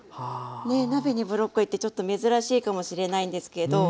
ねえ鍋にブロッコリーってちょっと珍しいかもしれないんですけど。